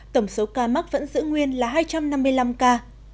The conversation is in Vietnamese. tổng số ca mắc vẫn giữ nguyên là hai trăm năm mươi năm ca